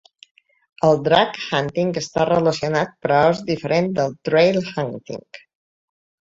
El "drag hunting" està relacionat però és diferent del "trail hunting".